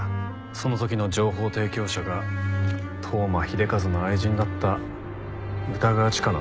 その時の情報提供者が当麻秀和の愛人だった歌川チカなんだろ？